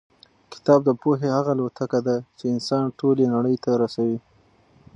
کتاب د پوهې هغه الوتکه ده چې انسان ټولې نړۍ ته رسوي.